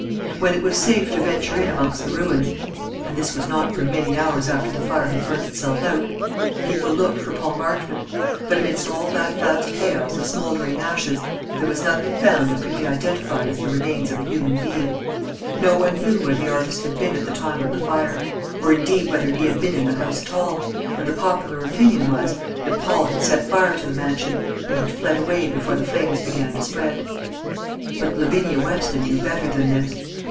When it was safe to venture in amongst the ruins and this was not for many hours after the fire had burnt itself out people looked for Paul Marchmont; but amidst all that vast chaos of smouldering ashes, there was nothing found that could be identified as the remains of a human being. No one knew where the artist had been at the time of the fire, or indeed whether he had been in the house at all; and the popular opinion was, that Paul had set fire to the mansion, and had fled away before the flames began to spread. But Lavinia Weston knew better than this.